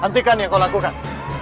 hentikan yang kau lakukan